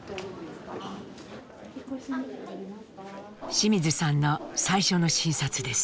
清水さんの最初の診察です。